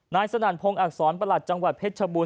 สนั่นพงศ์อักษรประหลัดจังหวัดเพชรชบูร